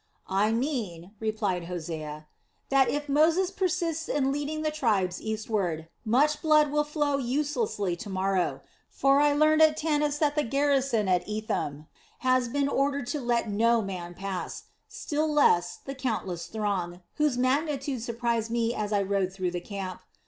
"I mean," replied Hosea, "that if Moses persists in leading the tribes eastward, much blood will flow uselessly to morrow; for I learned at Tanis that the garrison of Etham has been ordered to let no man pass, still less the countless throng, whose magnitude surprised me as I rode through the camp.